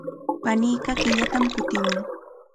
Paniiqa killatam kutimun.